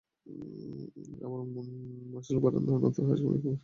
আবার মাশুল বাড়ানোর নতুন হার সাময়িক সময়ের জন্য কার্যকর করতে বলেছিল কমিটি।